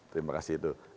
terima kasih itu